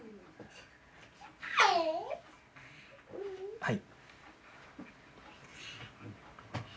はい。